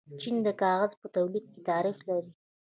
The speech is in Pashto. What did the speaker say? چین د کاغذ په تولید کې تاریخ لري.